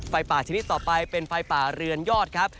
ไฟป่าชนิดต่อไปเป็นไฟป่าเรือนยอดครับ